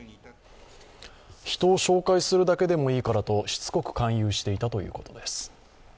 人を紹介するだけでもいいからとしつこく勧誘していたということです。